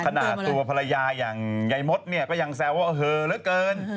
ตัวภรรยาอย่างยายมดเนี่ยก็ยังแซวว่าเหอเหลือเกิน